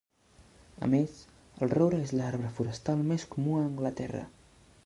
A més, el roure és l'arbre forestal més comú a Anglaterra.